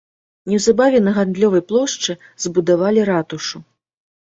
Неўзабаве на гандлёвай плошчы збудавалі ратушу.